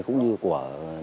cũng như của bộ công an